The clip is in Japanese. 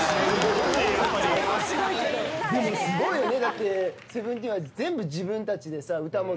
でもすごいよね。